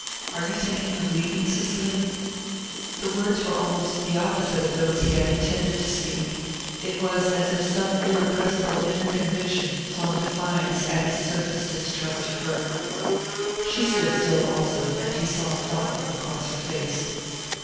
Are you thinking of leaving Cicely?" The words were almost the opposite of those he had intended to speak; it was as if some irrepressible inner conviction flung defiance at his surface distrust of her. She stood still also, and he saw a thought move across her face.